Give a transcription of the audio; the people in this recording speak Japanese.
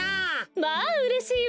まあうれしいわ。